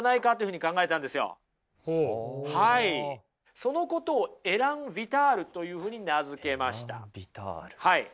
そのことをエラン・ヴィタールというふうに名付けました。